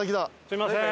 すみません。